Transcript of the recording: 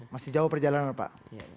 masih jauh perjalanan pak